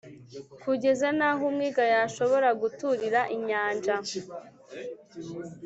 kugeza n’aho umwiga yashobora guturira inyanja.